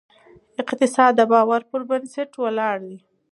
اقتصاد د باور پر بنسټ ولاړ دی.